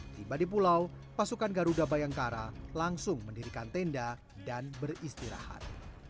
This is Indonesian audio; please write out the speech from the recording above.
tiba di pulau pasukan garuda bayangkara langsung mendirikan tenda dan beristirahat